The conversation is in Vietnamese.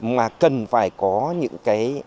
mà cần phải có những cái